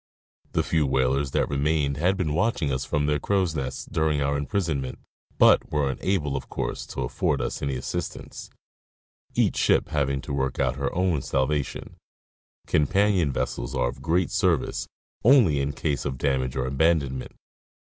The few. whalers that remained had been watching us from their crows' nests during our imprisonment, but were unable, of course, to — afford us any assistance, each ship having to work out her own salvation : companion vessels are of great service only in case Arctic Cruise of the U. S. 8. Thetis in 1889. 193 of damage or abandonment.